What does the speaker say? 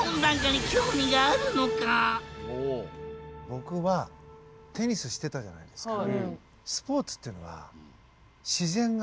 僕はテニスしてたじゃないですか。